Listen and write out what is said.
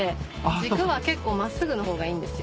軸は結構真っすぐの方がいいんですよ。